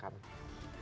kpu dan dukcapil